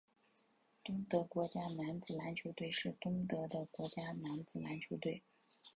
东德国家男子篮球队是东德的国家男子篮球队。